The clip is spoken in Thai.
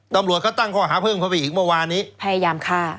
ตำรวจเขาตั้งข้อหาเพิ่มเข้าไปอีกเมื่อวานนี้พยายามฆ่า